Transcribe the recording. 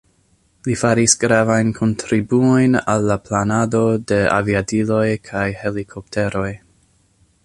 Li faris gravajn kontribuojn al la planado de aviadiloj kaj helikopteroj.